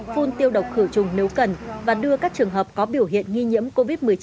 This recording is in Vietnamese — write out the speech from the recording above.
phun tiêu độc khử trùng nếu cần và đưa các trường hợp có biểu hiện nghi nhiễm covid một mươi chín